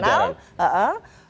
harus ada pembelajaran